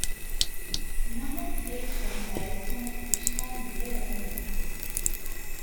ނަމަވެސް އެއީ ކޮންބައެއްކަން ރިޝްދާއަށް އެނގޭވަރެއް ނުވި